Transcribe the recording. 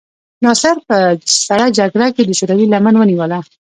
ناصر په سړه جګړه کې د شوروي لمن ونیوله.